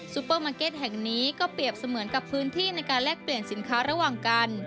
เปอร์มาร์เก็ตแห่งนี้ก็เปรียบเสมือนกับพื้นที่ในการแลกเปลี่ยนสินค้าระหว่างกัน